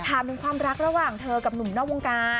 ถามถึงความรักระหว่างเธอกับหนุ่มนอกวงการ